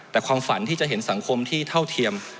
แต่ความฝันที่จะเห็นสังคมที่เท่าเทียม